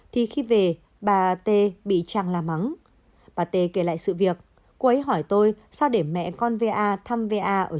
thì khi về bà t bị chàng la mắng bà t kể lại sự việc cô ấy hỏi tôi sao để mẹ con va thăm va ở